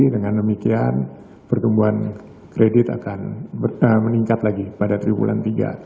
dengan demikian pertumbuhan kredit akan meningkat lagi pada triwulan tiga